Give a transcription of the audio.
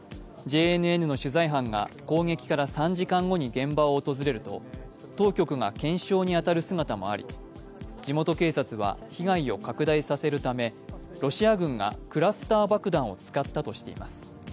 ＪＮＮの取材班が攻撃から３時間後に現場を訪れると当局が検証に当たる姿もあり地元警察は被害を拡大させるためロシア軍がクラスター爆弾を使ったとしています。